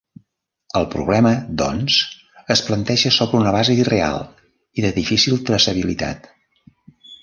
El problema doncs, es planteja sobre una base irreal i de difícil traçabilitat.